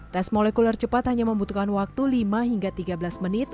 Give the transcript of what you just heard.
tes molekuler cepat hanya membutuhkan waktu lima hingga tiga belas menit